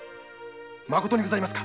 まことにございますか？